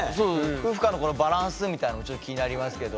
夫婦間のバランスみたいなのちょっと気になりますけど。